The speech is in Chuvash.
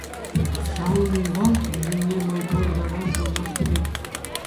Ҫавӑнпах вӗсене май пур таран пулӑшас килет.